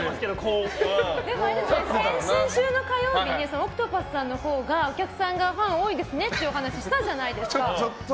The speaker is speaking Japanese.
先々週の火曜日にＯＣＴＰＡＴＨさんのほうがお客さんファンのほうが多いというお話をしたじゃないですか。